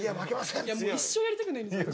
もう一生やりたくないんですよ